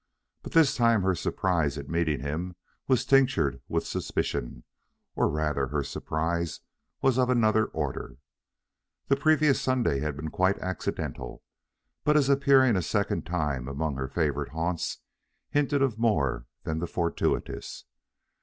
But this time her surprise at meeting him was tinctured with suspicion; or rather, her surprise was of another order. The previous Sunday had been quite accidental, but his appearing a second time among her favorite haunts hinted of more than the fortuitous.